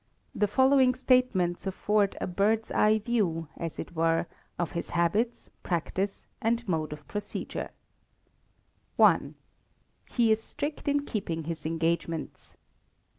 The following statements afford a bird's eye view, as it were, of his habits, practice, and mode of procedure: i. He is strict in keeping his engagements.